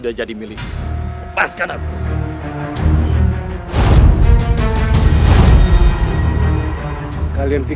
kau tidak akan kuberi akhil